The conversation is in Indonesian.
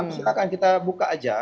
silahkan kita buka aja